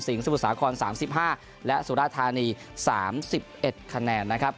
สมุทรสาคร๓๕และสุราธานี๓๑คะแนนนะครับ